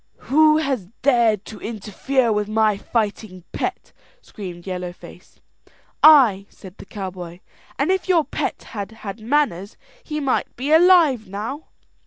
"Who has dared to interfere with my fighting pet?" screamed Yellow Face. "I," said the cowboy; "and if your pet had had manners, he might be alive now."